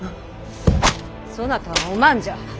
そなたはお万じゃ。